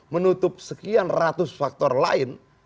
menutup sekian ratus faktor lain